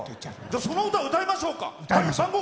その歌、歌いましょうか。